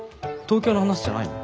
東京の話じゃないの？